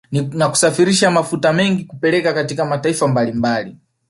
Na kusafirisha mafuta mengi kupeleka katika mataifa mbalimbali